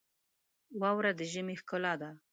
واوره د ژمي ښکلا ده.